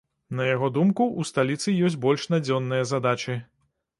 На яго думку, у сталіцы ёсць больш надзённыя задачы.